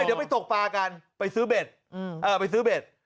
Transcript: เดี๋ยวไปตกปลากันไปซื้อเบ็ดไปซื้อเบ็ด